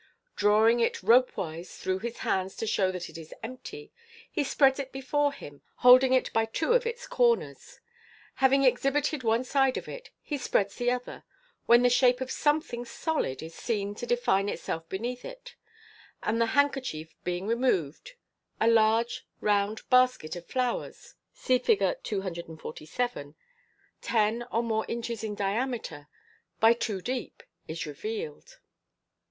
Drawing it ropewise through his hands to show that it is empty, he spreads it before him, holding it by two of its corners. Having exhibited one side of it, he spreads the other, when the shape of something solid is seen to define itself beneath it, and the handkerchief being removed, a large round basket of flowers (see Fig. 247), ten or more inches in diameter by two deep, is revealed.